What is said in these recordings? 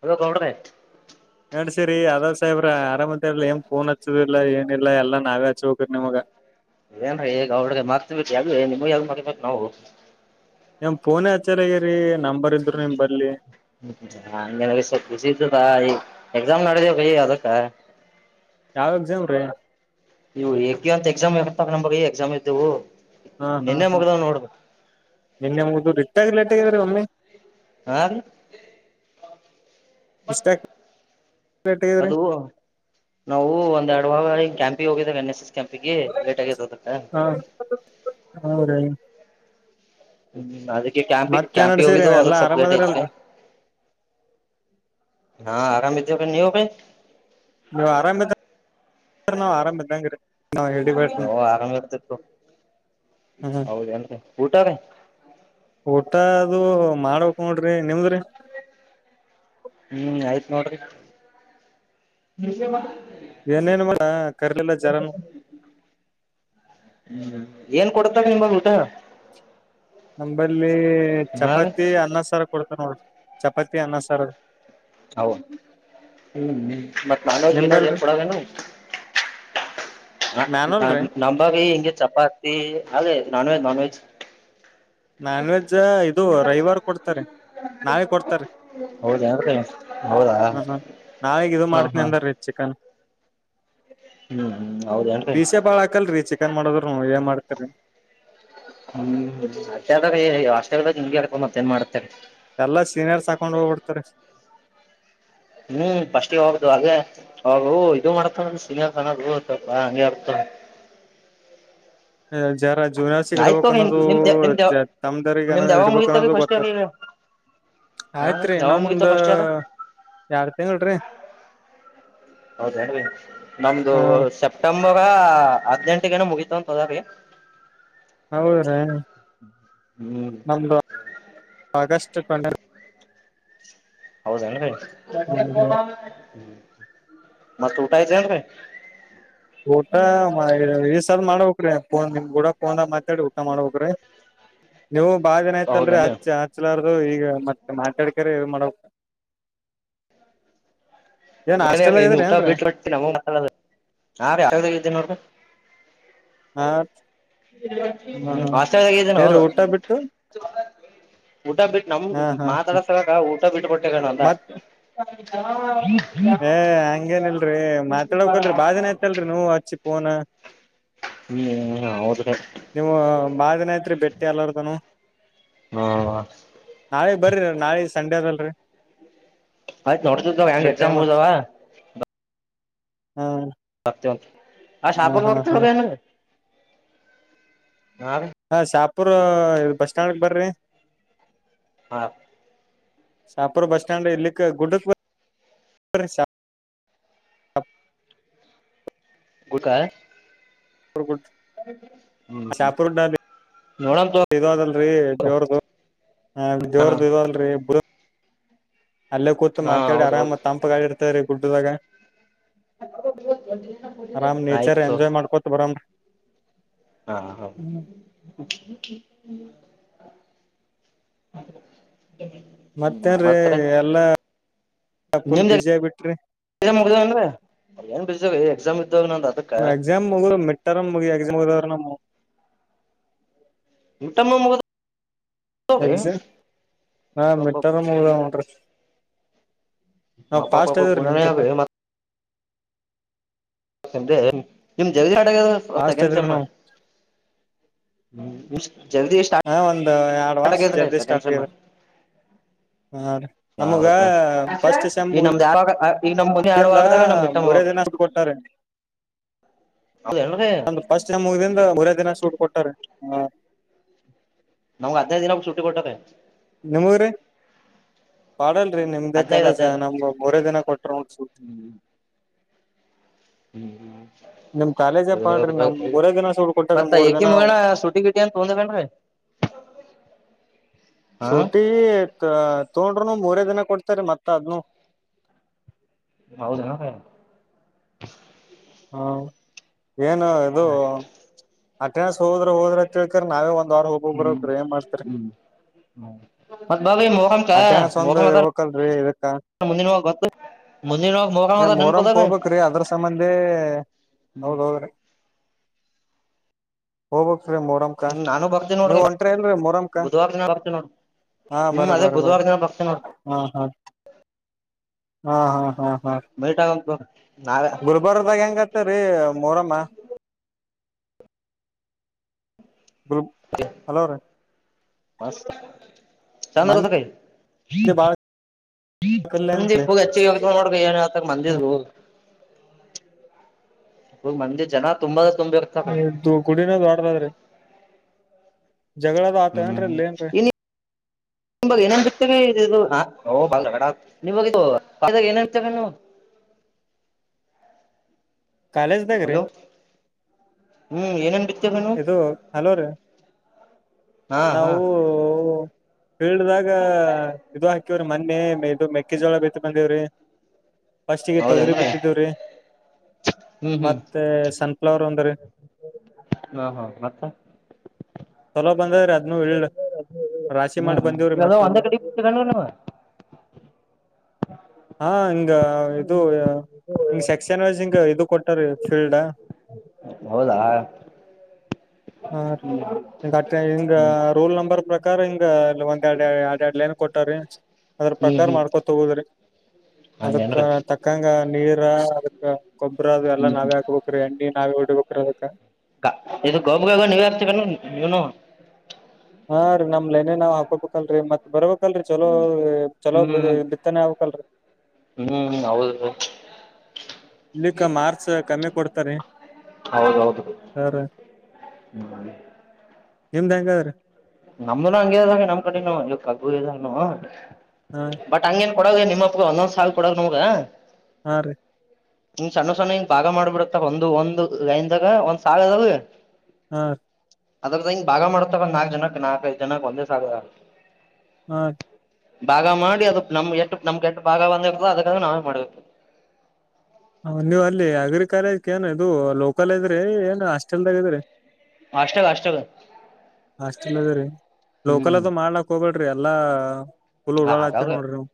ಹದ ಕೌಡ ನಡ್ಸರಿ ಅದಾವ ಸಾಹೇಬ್ರ ಆರಾಮತ್ಲ್ಲ ನ್್ಫೋನ್ ಹಚ್ಚದ ಇಲ್ಲ ಏನಿಲ್ಲ ಎಲ್ಲ ನಾಗಚೌಕ್ರ ನಿಮಗ ಯಾಗ ನಿಮ ಯಾವಾಗ ಮಗಬೇಕು ನಾವು ನಮ್ ಪೋನ ಆಚಾರ ಆಗ್ಯರಿ ಗೆನ ಸ್ವಲ್ಪ ಖುಷಿ ಇದ್ದದಾ ಈ ಎಕ್ಸಾಮ್ ನಡೆ ಹ ಅದಕ್ಕ ಯಾವ್ ಎಕ್ಸಾಮ್ ರೀ ಇವು ಎಕಿ ಅಂತ ಎಕ್ಸಾಮ್ ಎತ್ತ ನಮಗೆ ಎಕ್ಸಾಮ್ ಇದ್ದವು ಹಾ ಹಾ ನಿನ್ನೆ ಹಾ ಮುಗ್ದಾವ್ ನೋಡ್ರಿ ನಿನ್ನೆಮ ಆಗಲ ೀ ಒಮ್ಮೆ ಹ ಅದೀ ಇಷ್ಟಾಗಿ ಲೇಟ್ ಆಗ್ಯದ್ರಿ ಅದು ನಾವು ಒಂದ್ೆರಡು ವಾಗ ಕ್ಯಾಂಪ್ ಹೋಗ ಮ ಎ ಕೆಂಪಿಗೆ ಲೇಟ್ ಆಗಿತೋದುಟ ಹಾ ಹೌದ್ರಿ ಹ್ಮ್ ಅದ ಕ್ಯಾಂಪಿ ಮತ್ತೇನ್ ಕ್ಯಾಂಪಿ ನಡ್ಸಿರಿ ಹೋಗಿದ್ದು ಎಲ್ಲಾ ಅದಕ್ ಆರಾಮ್ ಸೇಬಟ್ಐತಿಗೆ ಅದರಲ್ರಿ ಹಾ ಆರಾಮ ಇದ್ದ ಗ್ಣಿ ಹೋಗೆ ನೀವು ಆರಾಮ ನವು ಆರಾಮದಂಗ್ರ ನಾವ್ ಹೇಳಬ ನಾವು ಆರಾಮ್ ಇರ್ತಿತ್ತು ಹ್ಮ್ ಹೌದೇನ್ರಿ ಊಟ ರೀ ಊಟ ಅದು ಮಾಡಬೇಕಕ್ ನೋಡ್ರಿ ನಿಮ್ದ್ರಿ ಹ್ಮ್ ಆಯ್ತ್ ನೋಡ್ರಿ ವಿಷೇಮ ಏನೇನು ಮಾಡ ಕರ್ಲೆಲ್ಲ ಜರನು ಹ್ಮ್ ಏನ್ ಕೊಡ್ತಾರ ನಿಮಗ್ ಊಟ ನಂಬರ್ ಹಾ ರೀ ಚಪಾತಿ ಅನ್ನ ಸರ್ ಕೊಡ್ತ ನೋಡ್ರಿ ಚಪಾತಿ ಅನ್ನಸರ್ ಹೌ ಹ್ಮ್ ಮತ್ ನಾನ್ ವಜ್ ಏನ ನಿಂಬಲ್ರಿ ಕೊಡಲೇನು ಮ್ಯಾನುಲ್ ರೀ ನಂಬಾಗಿ ಹಿಂಗೆ ಚಪಾತಿ ಅಲೆ non veg non veg. Non veg ಇದು ರವಿವಾರ ಕೊಡ್ತಾರೀ ನಾಳಿ ಕೊಡ್ತಾರೀ ಹೌದೇನ್ರಿ ಹೌದಾ ಹ ನಾಳಿಗ್ ಇದು ಮಾಡ್ತನಿ ಅಂದಾರೀ ಚಿಕನ್. ಹ್ಮ್ ಹ್ಮ್ ಹೌದೇನ್ರಿ ಪೀಸೆ ಬಾಳ ಹಾಕಲ್ರಿ ಚಿಕನ್ ಮಾಡದ್ರುನು ಏನ್ ಮಾಡ್ ತರಿ ಹ್ಮ್ ಅತ್ತೆ ಅದ ಅಷ್ಟೇದಾಗ ನಿಮ್ಗೆ ಹಕೊಂಡ ಮತ್ ಏನ್ ಮಾಡತಾರ್. ಎಲ್ಲಾ ಸೀನಿಯರ್ಸ್ ಹಾಕೊಂಡ್ ಹೋಗ್ಬಿಡ್ತಾರೆ. ಹ್ಮ್ ಫಸ್ಟ್ಗೆ ಹೋಗ್ದ ಹಾಗೆ ಹೋಗ ಇದು ಮಾಡತ ಸಿನಲ್ಪ ಹಂಗೆ ಆರ್ತ. ಜರ ಜೂನಿರ್ಸಿಗ್ ಇಡ್ಬಬೇಕ ನಿಮ್ ಅನ್ನೋದು ನಿಮ್ದ ನಿಮ್ದ ತಮ್ದರಿಗಏನ ನಿಮ್ದ್ ಯಾವಾಗ ಇಡ್ಬೇಕ ಮುಗಿತವ ಅನ್ನೋದು ಫಸ್ಟ್ ಇಯರ್ ಗೊತ್ತಲ್ರಿ ಈಗ ಹಾ ಆಯ್ತ್ರಿ ಯಾವಾಗ ಇನ್ನೊಂದ ಮುಗಿತವ ಫಸ್ಟ್ ಇಯರ್ ಯಾರ್ ತಿಂಗ್ರಿ. ಹೌದೇನು ನಮ್ದು ಸೆಪ್ಟೆಂ ಇವಾಗ ಹದ್ನೆಂಟ್ಗೇನ ಮುಗಿತವ್ [unintelligible] ಹೌದ್ರ ಹ್ಮ್ ನಮ್ದು ಆಗಸ್ಟ್. ಚ್ಚಕೊಂಡ ಹೌದೆನ್ರಿ [unintelligible] ಮತ್ ಊಟ ಆಯ್ತ್ ಏನ್ರೀ ಊಟ ಈ ಸರ್ ಮಾಡಕ್ರಿ ಫೋನ್ ನಿಮ್ ಕೂಡ ಫೋನ್ಗ ಮಾತಾಡಿ ಊಟ ಮಾಡಬೇಕ್ರಿ. ನೀವು ಬಾಳ ದಿನ ಆಯ್ತಲ್ರಿ ಹೌದೇನ್ರಿ ಹಚ್ಚ ಹಚ್ಚಲ ಅದು ಈಗ ಮತ್ತೆ ಮಾತಾಡ್ಕಾರೆ ಮಾಡ. ಮನೀಯಾಗ್ ಊಟ ಬಿಟ ಕೊಡ್ತ ನಮ [unintelligible] ಹಾ ರೀ ಯದ ಇದು ನೋಡ್ರಿ. ಹಾ ಹ ಹ್ಮ ಹಾ ಆಸ್ದಾಗ ಇದೀನ ಏನ್ರಿ ಹೌದು ಊಟ ಬಿಟ್ಟು ಊಟ ಬಿಟ್ಟ ನಮ್ ಹಾ ಹಾ ಹಾ ಮಾತಾಡಸ ಊಟ ಬಿಟ್ಟು ಕೊಟ್ಟವಣ ಅಂತ. ಮತ್ [unintelligible] ಏ ಹಂಗೇನಿಲ್ರಿ ಮಾತಾಡಕ್ಲ್ರಿ ಬಾಳ್ದಿನ ಆಯ್ತಲ್ರರಿ ನೀವ್ ಹಚ್ಚಿ ಪೋನ. ಹ್ಮ ಅವೌದ. ಬಾಳ್ ದಿನ ಐತ್ರಿ ಬೆಟ್ಟಿ ಎಲ್ಲಾರ್ದನು. ಹಾ ನಾಳೆ ಬರ್ರಿ ನಾಳೆ ಸಂಡೆ ಅದಲ್ [unintelligible] ಆಯ್ತ್ ನೋಡ್ದಂಗ್ ಹೆಂಗ್ ಎಕ್ಸಾಮ್ ಹೊಯ್ ಅವಾ ಹಾ ಚೊಲ್ ಆ ಹಾ ಶಾಪುಕ್ ಹಾ ಹಾ [unintelligible] ಹಾ ಪುರ ಬಸ್ ಸ್ಟ್ಯಾಂಡ್ಗ ಬರ್ರಿ. ಹಾ ಶಾಪುರ್ ಬಸ್ಟ್ಯಾಂಡ್ ಇಲ್ಲಿಕ್ಕೆ ಗುಡಕ್ ಬಾ ಶಾ ಗಟಾ ಶಾಪುರ್ ಗುಡ್ ಹ್ಮ್ ಹ್ಮ್. ನೋಡಮ್ ತೊ ಇದದಲ್ರರಿ ಜೋರ್ದು ಜೋರ್ದು ಇದಲ್ರೀ ಬ ಅಲ್ಲೇ ಕುತ್ ಹಾ ಮಾತಾಡಿ ಹೌದ್ ಹೌದು ಆರಾಮ ತಂಪಗಾಳಿ ಇರ್ತರಿ. ಗುಡ್ಡದಾಗ ಆರಾಮ್ [unintelligible] ನೇಚರ್ ಆಯ್ತು. ಎಂಜಾಯ್ ಮಾಡ್ಕೊತ ಬರಾಮ್ರಿ ಹಾ ಹ ಮತ್ತೇನರಿ ಮತ್ ರೀ ಎಲ್ಲಾ ಫುಲ್ ನಿಮ್ದ ಬಿಜ ಆಗ್ಬಿಟ್ರಿ ಎಕ್ಸಾಮ್ ಮುಗ್ದಾವೇನ್ರಿ ಏನ್ ಬಿಜಿ ಎಕ್ಸಾಮ್ ಇದ್ದವ ನಂದ್ ಅದಕ್ಕ ಎಕ್ಸಾಮ್ ಮುಗ ಮೀಟ್ಟಾರ ಮುಗ ಎಕ್ಸಾಮ್ಗ್ರ ನಮ್ಮು ಊಟಮ್ಮ ಮುಗದ ಎಸೆ ಹಾ ಮಿಟ್ಟರ ಮುಗದವ ನೋಡ್ರಿ. ನಾವ್ ಮಪಾ ಫಾಸ್ಟ್ ಪಾಪ ಅದೇವ್ರಿ ಗುಣಾನ ಹಾವ ನಿಮ್ಕಿಂತ ಮ ಡೇ ನಿಮ್ ಜಗ ಫಾಸ್ಟ್ ಸೆಕೆಂಡ್ ಅದೇವ್ರಿ ಸೇಮ್ ನಾವ್ [unintelligible] ಹಾ ಒಂದು ಎರಡು ವರ್ಷ ಜಲ್ದಿ ಸೆಕೆಂಡ್ ಸ್ಟಾರ್ಟ್ ಆಗೀ ಸೆಮ್ ಹಾ ರೀ ನಮಗ ಹೌದ ಫಸ್ಟ್ ಸೆಮ್ ಈಗ ಮುಗ ನಮ್ದ್ ಯಾವಾಗ ಈಗ ನಮ್ ಮುಂದೆ ಎರಡು ಇದರಿಂದ ವಾರದಾಗ ನಮ್ ಮಿಡ್ ಟರ್ಮ್ ಮೂರೇ ದಿನ ಅಂತ ಕೊಟ್ಟಾರೆ. ಹೌದೇನ್ರಿ ಒಂದು ಫಸ್ಟ್ ಮ್ ಮುರೇ ದಿನ ಸೂಟ್ ಕೊಟ್ಟ ಸ ಹಾ ನಮ್ಗ್ ಹದಿನೈದು ದಿನ ಹು ಶುಟ್ಟಿ ಕೊಟ್ಟರಾ. ನಿಮಗರಿ ಪಾಡಲ್ಲ. ಲ್ರಿ ನಿಮ್ದೇ ಹದ್ನೈದು ಕಾಲೇಜ ಹದ್ನೈದು ನಮ್ ಮೂರೇ ದಿನ ಕೊಟ್ರ ನೋಡ ಸೂಟಿ ನಿಮ್ ಕಾಲೇಜ [inaudible] ಪಾಡ್ರಿ ನಮ್ ಮೂರೇ ದಿನ ಸೂಟ್ ಕೊಟ್ಟಾರ ಮತ್ತ ಮೂರ್ ಏಕಿ ದಿನ ಮುಗಣ ಸುಟಿ ಗಿಟಿ ಅಂತ ತೊಂಡಿದ ಏನ್ರೀ. ಸೂಟಿ ತ ತುಗೊಂಡ್ರನು ಮೂರೇ ದಿನ ಕೊಡ್ತಾರ ಮತ್ತ ಅದ್ನು ಹೌದಣ. ಹಾ ಏನ ಇದು. ಅಟೆನ್ಸ್ ಹೋದ್ರ ಹೋದ್ರೆ ಕೇಳಳ್ಕ ನಾವೇ ಒ ಅಟೆಂಡೆನ್ಸ್ ಒಂದ್ ಇರ್ಬೇಕಲ್ರರಿ ಇದಕ್ಕ ಏ ಮೊರಮ್ಕ್ ಹೋಗ್ಬೇಕ್ರಿ ಅದ್ರ ಸಂಬಂಧಿ [unintelligible] ಹೋಗ ರಿ ಮೊರಂಕ ಹ್ಮ್ ನಾನು ಬರ್ತೀನಿ ನೋಡ್ರಿ ನೀವು ಹೊಂಟ್ರ ಇಲ್ರಿ ಮೊರಂಕಾ ಬುಧವಾರ ದಿನ ಬರ್ತೇವಿ ನೋಡ್ ಹಾ ಬರ ಹ್ಮ್ ಅದೇ ಬರ ಬರ ಬುಧವಾರ ದಿನ ಬರ್ತೇವಿ ನೋಡ್ ಹ ಹ ಹಾ ಹಾ ಹಾ ಹಾ ಮೀಟ್ ಆಗ ನಾವೇ ಗುಲ್ಬರ್ದಾಗ ಹೆಂಗತ್ತರಿೀ ಮೂರಮ್ಮ ಗ ಹಲೋ ರೀ ಮಸ್ ಚಂದ ಮಂದಿ ನಡದದ್ರಿ ಬಾಳ ಕಲ್ಯಾಣ ನಮ್ ಹುಗಚ್ಚಿ ಹೋಗ ನೋಡ್ ಮಂದಿ ಅದ ಬ್ರೋ ಫುಲ್ ಮಂದಿ ಜನ ತುಂಬದ ಗುಡಿನದು್ ವಡ್ರದ್ರಿ ಹ್ಮ್ ಇ ಏನನ್ ಸಿರ್ತವೆ ಇದು ಓವ ಏ ಕಾಲೇಜ್ದಾಗ್ರಿ ಹಲೋ ಹ್ಮ್ ಏನಟ ಇದು ಹಲೋ ರೀ ಹಾ ಹಾ ನಾವು ಫೀಲ್ಡ್ ದಾಗ ಇದು ಹಾಕಿವ್ರಿ ಮೊನ್ನೆ ಇದು ಮೆ ಿ ಜೋಳ ಬತ್ತ ಬಂದೇವ್ರಿ ಫಸ್ಟಿಗೆ ತೊಗರಿ ಹೌದೇನ್ರಿ ಬಿತ್ತಿದ್ದವ್ರಿ ಹ್ಮ್ ಹ್ಮ್ ಮತ್ತೆ ಸನ್ಫ್ಲವರ್ ಅಂದ್ರರಿ ಹಾ ಹಾ ಮತ್ತ ಎಲ್ಲ ಬಂದೀ ಅದ್ ಇಳ್ಳ ಹ್ಮ್ ಇ ಒಂದ ಅದ್ನು ಕಡೆ ನ ಹಾ ಹ ಹಂಗ ಇದು ಹಿಂಗ ಸೆಕ್ಷನ್ ವೈಸ್ ಹಿಂಗ ಇದು ಕೊಟ್ಟಾರ ಫೀಲ್ಡ್ ಹೌದಾ ಹಾಂ ರ ರೂಲ್ ನಂಬರ್ ಪ್ರಕಾರ ಹಿಂಗ ಇಲ್ಲಿ ಒಂದ್ ಎರಡು ಎರ ಎರಡ್ಲ ಏನ್ ಕೊಟ್ಟ್ರೀ ಅದ್ರ ಹ್ಮ್ ಪ್ರಕಾರ ಹ್ಮ್ ಮಾಡ್ಕೊತ ತಗೋದ್ರಿ ಅದಕ್ಕ ಹಂಗೇನ್ರಿ ತಕ್ಕಂಗ ನೀರ ಅದಕ್ಕ ಗೊಬ್ರೇ ಅದು ಎಲ್ಲಾ ಹ್ಮ್ ನಾವೇ ಹಾಕ್ಬೇಕ್ರೀ ಎಣ್ಣಿ ನಾವೇ ಹೊಡಿಬೇಕ್ರೀ ಅದಕ್ಕ ಇದು ಗೋಬು ಗೋೋಗ ನೀ ಯಾರ್ ನೀನು ಹಾ ರೀ ನಮ್ ನೈನೆ ನಾವ್ ಹಾಕೋಬೇಕಲ್ರರಿ ಮತ್ ಬರ್ಬೇಕಕ್ ಆಕಲ್ರಿ ಚಲೋ ಚಲೋ ಹ್ಮ್ ಬಿತ್ತನೆೆ ಆಕಲ್ರರಿ ಹ್ಮ್ ಹೌದು ಇಲ್ಲಿಕ್ಕ ಮಾರ್ಚ್ ಕಮ್ಮಿ ಕೊಡ್ತರಿ ಹೌದೌದು ಸ ಹ್ಮ್ ನಿಮ್ದ್ ಹೆಂಗಾದ್ರೀ ನಮ್ದನ ಹಂಗಗೆ ಹಾಗೆ ನಮ್ ಕಡೆನು ಇ ಕಗ್ಬು ಇದ್ದ ಹಾ ಬಟ್ ಹಂಗಗೆನ್ ಕೊಡಗೆ ನಿಮ್ಮಪ್ಪ ಒಂದೊಂದ್ ಸಾಲಲ್ ಕೊಡಾಗ ನಮಗ ಹಾ ರೀ ಹಂಗ ಸಣ್ಣ ಸಣ್ಣ ಹಿಂಗ ಭಾಗ ಮಾಡ್ಬಿಡತ್ತ ಒಂದು ಒಂದು ಲೈನದಾಗ ಒಂದ್ ಸಾಲ ಅದಾವ ಹ ಅದ್ರದ ಹಂಗ ಭಾಗ ಮಾಡ್ತಾವ ನಾಕ್ ಜನ ನಾಲ್ಕೈದು ಜನಕ್ಕೆ ಒಂದೇ ಸಾಗು ಹಾ ಭಾಗ ಮಾಡಿ ಅದು ನಮ್ ಎಟ್ಟು ನಮ್ಗೆ ಎಟ್ಟು ಭಾಗ ಬಂದ ಅದಕ್ಕಾದ ನಾವೇ ಮಾಡ್ಬೇಕು ಹ ನೀವ್ ಅಲ್ಲಿ ಅಗ್ರೀ ಕಾಲೇಜ ಏನು ಇದು ಲೋಕಲ್ ಇದ್ರಿ ಏನ್ ಹಾಸ್ಟೆಲ್ದಾಗ ಇದ್ರಿ ಅಷ್ಟಾಗ ಅಷ್ಟಾಗ ಹಸ್ಟೆಲ್ ರೀ ಹ್ಮ್ ಲೋಕಲ್ದು ಮಾಡ್ಲಕ್ ಹೋಗಬೇ ರಿ ಎಲ್ಲಾ ಪುಲ್ ಉಡಾಳ ಆಗಾಗ ಆಗ್ತರಿ ನೋಡ್ರಿ ನೀವ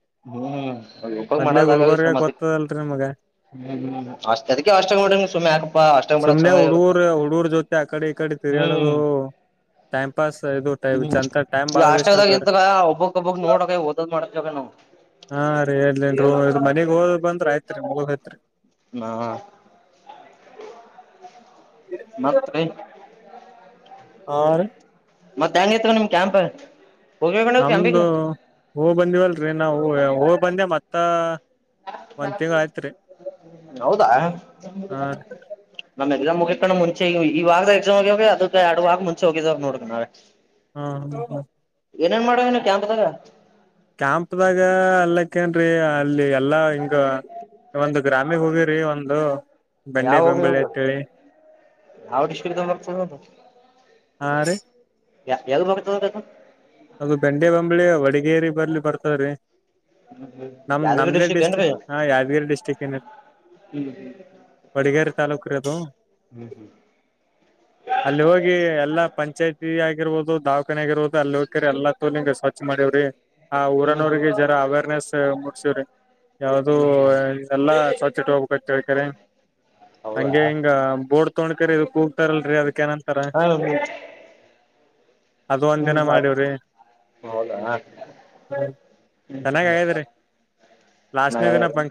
ಮೊದ್ಲೆೇ ಗುಲ್ಬರ್ಗ ಗೋತ್ತದಲ್ರರಿ ನಮ್ಗೆ ಹ್ಮ್ ಹ್ಮ್ ಅಷ್ಟ ಅದಕ್ಕೆ ಅಷ್ಟಂಗ ಮಾಡಡ ಸುಮ್ಮನೆ ಯಾಕಪ್ಪಾ ಅಷ್ಟಂಗ ಸುಮ್ನೆ ಚೆನ್ನಾಗಿರುತ್ತ ಹುಡುಗರ್ ಹುಡುಗರ್ ಜೊತೆ ಆ ಕಡೆ ಈ ಕಡೆ ಹ್ಮ್ ತಿರ್ಗಾಡೋದು ಟೈಮ್ ಪಾಸ್ ಇದು ಟೈ ಹ್ಮ್ ಚಂತ ಟೈಮ್ ಈ ಬಾಳ ವೇಸ್ಟ್ ಅಷ್ಟಂಗದಾಗ ಆತವ್ರೀ ಇದ್ದಾಗ ಒಬ್ಬಕ್ ಒಬ್ಬಕ್ ನೋಡ ಕ ದು ಮಾಡೆ ಕ ನವು [unintelligible] ಹಾ ರೀ ಹೇಳಲಿನ್ ಮನಗ್ ಹೋದ್ ಬಂದ್ರ ಆಐತ್ರಿ ಮುಗತ್ರಿ ಹಾ ಮತ್ತ ರೀ ಆ ಮತ್ತ ಹೆಂಗ ತ ನಿಮ್ ಕ್ಯಾಂಪ್ ಹೋಗಿ ಕಣ ನಮ್ದು ಕ್ಯಾಂಪಿಗೆ ಹೂ ಬಂದಿವವಲ್ರಿ ನಾವು ಹೂವು ಬಂದೆ ಮತ್ತ ತ ಹೌದಾ ಹಾ ನ ಎಕ್ಸಾಮ ಮುಗಿಕಣ್ ಮುಂಚೆ ಈವಾರದಾಗ ಎಕ್ಸಾಮ ಆಗಾವರಿ ಅದ ಎರಡವಾರ ಮುಂಚೆ ಹೋಗಿದಾಗ ನೋಡ್ಕಣ್ರೆ ಹಾ ಹ ಹ ಏನೇನ್ ಮಾಡುವ ನೀವು ಕ್ಯಾಂಪದಾಗ ಕ್ಯಾಂಪ್ ದಾಗ ಅಲ್ಲಕ್ಕೇನ್ ರಿ ಅಲ್ಲಿ ಎಲ್ಲಾ ಹಿಂಗ ಒಂದು ಗ್ರಾಮಿಗ್ ಹೋಗಿರಿ ಒಂದು ಬೆಂಡೆ ಯಾವ ಹೋಗಿ ಬೆಂಬಳಿ ಹೋಗ ಅಂತೇಳಿ ಯಾವದಂತ ಹಾ ರೀ ಯ ಯಾವ ಬತದಬೇಕ [unintelligible] ಅದು ಬೆಂಡೆ ಬಂಬ್ಳಿ ವಡಗೇರಿ ಬರ್ಲಿ ಬರ್ತವ್ರೀ ನಮ್ ಯಾದಗಿರಿ ನಮ್ದೇ ಏನ್ರೀ ಡಿಸ್ಟ್ರಿಕ್ ಹಾ ಯಾದಗಿರಿ ಡಿಸ್ಟ್ರಿಕ್ ಏನ ಹೊಡಗೇರೆ ತಾಲೂಕು ಕ್ರತ ಹ್ಮ್ ಅಲ್ಲಿ ಹೋಗಿ ಎಲ್ಲಾ ಪಂಚಾಯತಿ ಆಗಿ ಆಗರ್ಬಹ ದವಾಖಾನಾಗ ಆಗರ್ಬೋ ಅಲ್ಲಿ ಹರಿ ಎಲ್ಲಾ ತೋಲಿಂಗ ಸ್ವಚ್ಛ ಮಾಡಿವವ್ರಿ ಆ ಹ್ಮ್ ಊರನಊರಿಗೆ ಜರ ಅವೇರ್ನೆಸ್ ಮೂಡ್ಸವ್ರಿ ಯಾವುದು ಹ್ಮ್ ಹ್ಮ್ ಇದೆಲ್ಲಾ ಸ್ವತಿಟ್ಟ ಹೋಗ್ಬೇಕು ಅಂತ ಹೇಳಿ ಕರೇನೇ ಹೌದಾ ಹಂಗೆ ಹಿಂಗ ಬೋಡ್ ತೋಡಕರಿಬೇಕು ಹತಾರಲ್ರರಿ ಅದಕ್ಕ ಏನಂತಾರಾ ಹಾ ಅದ ಒಂದ್ ಹ್ಮ್ ದಿನ ಮಾಡಿವ್ರಿ ಹೌದಾ ಹ್ಮ ಚೆನ್ನಾಗ್ ಆಗ್ಯದ್ರಿ ಹ್ಮ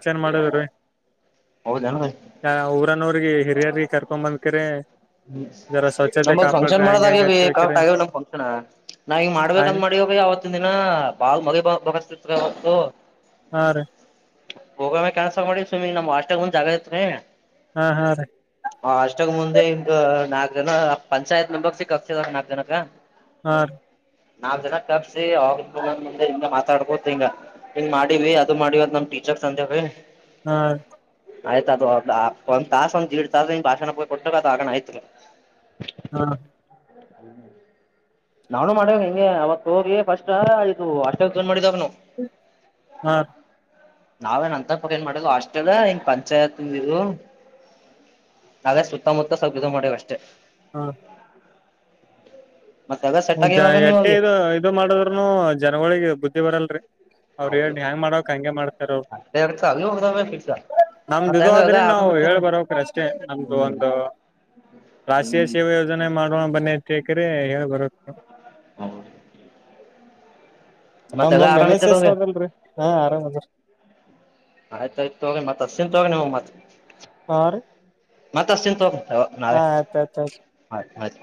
ಹ ಊರನ್ನೋರಿಗೆ ಹಿರಿಯರ್ ಕರ್ಕೊ ಬಂದಕ್ರೇ ಹ್ಮ್ ನಮಗ್ ಫಂಕ್ಷನ್ ಹಂಗ ಹೆಂಗ ಮಾಡೋದಗೇವಿ ಅಂತ ಕಕ್ಟ್ ಹೇಳ್ಕರಿ ಆಗೇವ ನಮ ಫಂಕ್ಷನ್ ನಾವ ಈಗ ಹಾಗ ಮಾಡಬೇಕಂದ್ ಮಾಡವಿ ಆವತ್ತಿನದಿನಾ [inaudible] ಹಾ ರೀ ಹೋಗ ಕೆನ್ಸ ಮಾಡಿ ಸುಮ್ಮಿಂಗ ನಮ್ ಅಷ್ಟಗ ಮುಂದ್ ಜಾಗ ಇತ್ರಿ ಹಾ ಹಾ ರೀ ಹ ಅಷ್ಟಾಗ ಮುಂದ [unintelligible] ನಾಕ್ ಜನ ಪಂಚಾಯತ್ ಮೆಂಬರ್ ಸಿಕ್ ಆಗ್ತದ ನಾಕ್ ಜನಕ ಹ ನಾವ ಜನ ಕರಸಿ ಆ ಮುಂದೆ ಹಿಂಗ ಮಾತಾಡ್ಕೊತ್ ಹಿಂಗ ಹಿಂಗ ಮಾಡಿವಿ ಅದ್ ಮಾಡಿವದ್ ನಮ್ ಟೀಚರ್ ಸಂದ್ಯೀ ಹಾ ಆಯ್ತ ಅದು ಒಂದ ತಾಸ ಒಂದ ದೀಡ್ ತಾಸ ಭಾಷಣ ಕೊಟ್ಟದು ಆಣ ಆಯ್ತು [inaudible] ಹಾ [inaudible] ನಾವ್ನು ಮಾಡೇವ ಹಿಂಗೆ ಅವತ್ ಹೋಗಿ ಫಸ್ಟ್ ಆಯದು ಅಷ್ಟ ಮಾಡಿದವು ನಾವು ಹಾ ನಾವೇನ್ ಅಂತ ಪಕ್ಕ ಏನ್ ಮಾಡ್ ಅಷ್ಟೆಲ್ ಏನ್ ಪಂಚಾಯತ್ ಇದು ನಾವೇ ಸುತ್ತಮುತ್ತ ಸ್ವಲ್ಪ ಇದ ಮಾಡ್ಯವ್ ಅಷ್ಟೇ ಹಾ ಮತ್ತ ಅದ ಸೆಟ್ ಆಗಿವಾಗ ನೀ ಎಟ್ಟೆ ಹೋಗಿ ಇ ಇದು ಮಾಡದ್ನು ಜನಗಳಳಿಗೆ ಬುದ್ಧಿ ಬರಲ್ರಿ ಅವರು ಹೇಳಿ ಹೆಯಾಂಗ್ ಮಾಡಕ್ ಹಂಗೆ ಮಾಡ್ತಾರೇ ಅವರ ಅಷ್ಟೇ ಇರ್ತ ಅಲ್ಲಿ ಹೋಗ್ದಾವ ಫಿಕ್ಸ್ ನಮ್ದದು ಮತ್ತ ಇದು ಹೆಂಗ ಅದ ಆದ್ರೆ ನಾವು ಆರಾಮ ಹೇಳಿ ಬರಕ್ರ ಅಷ್ಟೇ ನಮ್ದು ಒಂದು ರಾಷ್ಟ್ರೀಯ ಸೇವೆ ಯೋಜನೆ ಮಾಡುವ ಬನ್ನಿ ಕೇಕರೇ ಹೇಳಿ ಬರಬೇಕು ಹ ಹೌದು ಮತ್ತ ಎಲ್ಲ ನಮ್ದೊಂದ್ ಆರಾಮ ಎನ್ ಎಸ್ ಎಸ್ ಇದ್ದಿರಲರಿ ಅದಲ್ರಿ ಹಾ ಆರಾಮ್ ಅದ ಆಯ್ತಾಯಯ್ತು ತೋಗಿರೀ ಮತ್ ಹಚ್ಚಿತೀನಿ ತೋಗೋರಿ ನಿಮಗೆ ಮತ್ ಹಾ ರೀ ಮತ್ತ ಹಚ್ತಿನಿ ತಕೊ ನಾಳೆ ಹಾ ಆಯ್ತ ಆಯ್ತ ಆಯ್ತು ಆಯ್ತು